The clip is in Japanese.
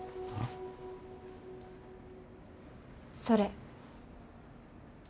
それ。